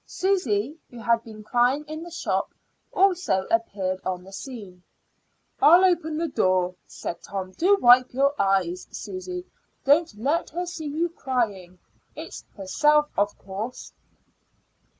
Susy, who had been crying in the shop, also appeared on the scene. "I'll open the door," said Tom. "Do wipe your eyes, Susy; don't let her see you crying. It's herself, of course."